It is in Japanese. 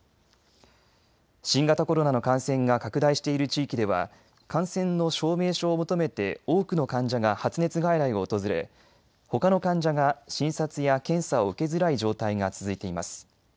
新型コロナの感染が拡大している地域では感染の証明書を求めて多くの患者が発熱外来を訪れほかの患者が診察や検査を受けづらい状態が続いています。